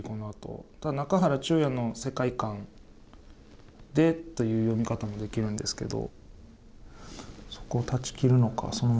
中原中也の世界観でという読み方もできるんですけど。